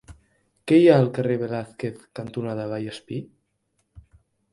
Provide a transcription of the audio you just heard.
Què hi ha al carrer Velázquez cantonada Vallespir?